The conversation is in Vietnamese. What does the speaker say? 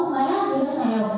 má như thế nào